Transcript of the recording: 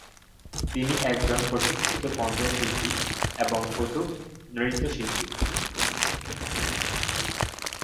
তিনি একজন প্রশিক্ষিত কণ্ঠশিল্পী এবং কত্থক নৃত্যশিল্পী।